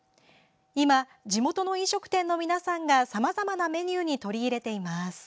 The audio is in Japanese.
今、地元の飲食店の皆さんがさまざまなメニューに取り入れています。